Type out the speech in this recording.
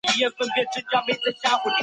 敬翔人。